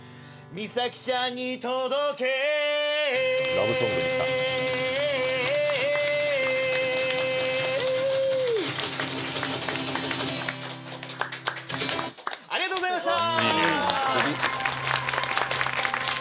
ラブソングでしたありがとうございました！